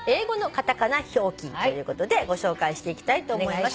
ということでご紹介していきたいと思います。